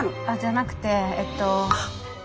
あっじゃなくてえっと。